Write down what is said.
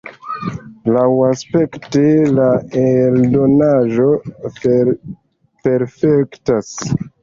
Laŭaspekte la eldonaĵo perfektas.